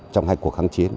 trong hai cuộc kháng chiến